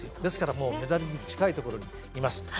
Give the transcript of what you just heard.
ですからもうメダルに近いところにいます。